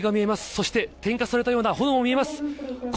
そして点火されたような炎が見えます。